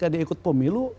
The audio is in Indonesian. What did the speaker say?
nah ketika di ikut pemilu